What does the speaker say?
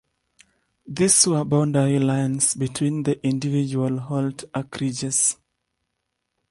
These were boundary lines between the individual Holt acreages.